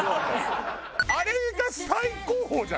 あれが最高峰じゃない？